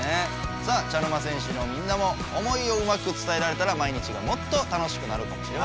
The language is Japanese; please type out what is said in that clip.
さあ茶の間戦士のみんなも思いをうまく伝えられたら毎日がもっと楽しくなるかもしれません。